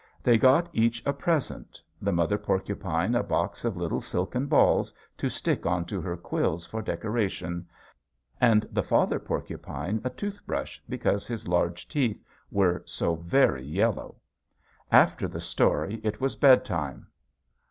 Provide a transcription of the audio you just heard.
They got each a present, the mother porcupine a box of little silken balls to stick onto her quills for decoration, and the father porcupine a toothbrush because his large teeth were so very yellow. After the story it was bedtime.